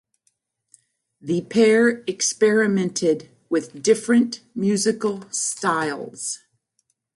The pair experimented with different musical styles.